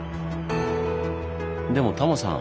でもタモさん